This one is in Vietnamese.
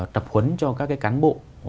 tập huấn cho các cái cán bộ